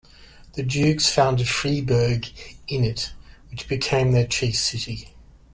The dukes founded Freiburg in it, which became their chief city.